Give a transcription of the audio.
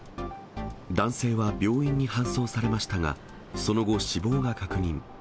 男性は病院に搬送されましたが、その後、死亡が確認。